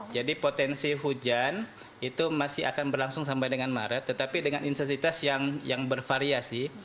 jadi potensi hujan itu masih akan berlangsung sampai dengan maret tetapi dengan intensitas yang bervariasi